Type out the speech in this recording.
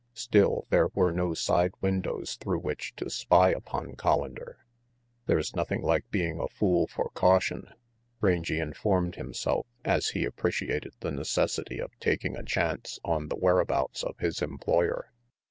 Still, there were no side windows through which to spy upon Collander. "There's nothing like being a fool for caution," Rangy informed himself, as he appreciated the neces sity of taking a chance on the whereabouts of his employer.